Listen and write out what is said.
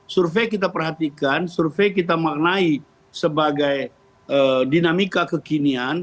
survei kita perhatikan survei kita maknai sebagai dinamika kekinian